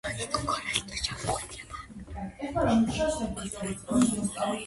მასზე იყო დამოკიდებული მოსამსახურე პირების დანიშვნა, განთავისუფლება, დაჯილდოება.